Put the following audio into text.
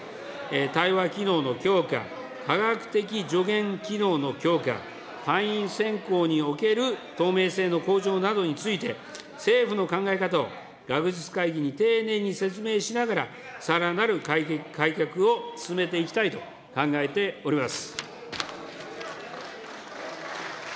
対話機能の強化、科学的助言機能の強化、会員選考における透明性の向上などについて、政府の考え方を学術会議に丁寧に説明しながら、さらなる改革を進めていきたいと考えております。